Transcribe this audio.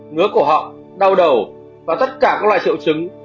ngứa cổ họng đau đầu và tất cả các loại triệu chứng